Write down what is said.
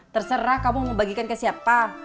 terserah kamu mau bagikan ke siapa